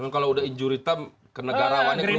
kalau sudah injurita ke negara awalnya keluar